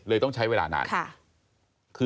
ต้องใช้เวลานาน